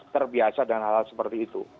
terbiasa dengan hal hal seperti itu